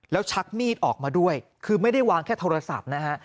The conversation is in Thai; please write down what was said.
แล้วชักมีดออกมาด้วยคือไม่ได้วางแค่โทรศัพท์นะฮะ